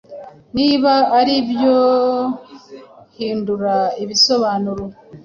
Niba aribyohindura ibisobanuro